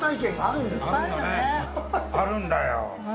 あるんだよ。